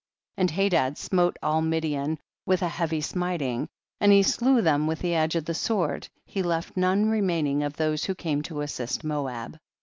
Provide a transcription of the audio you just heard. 12. And Hadad smote all Midian with a heavy smiting, and he slew them with the edge of the sword, he left none remaining of those who came to assist Moab.